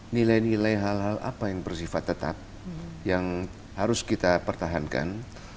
nilai nilai hal hal apa yang bersifat tetap yang harus kita pertahankan